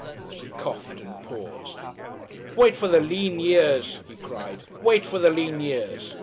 He coughed and paused. "Wait for the lean years," he cried. "Wait for the lean years."